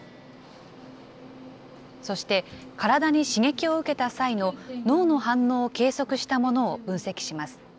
そして、体に刺激を受けた際の脳の反応を計測したものを分析します。